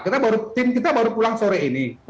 kita baru tim kita baru pulang sore ini